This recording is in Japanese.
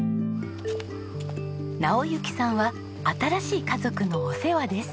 直行さんは新しい家族のお世話です。